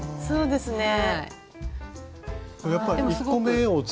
そうですね。